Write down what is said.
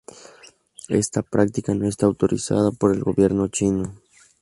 Esta práctica no está autorizada por el Gobierno chino.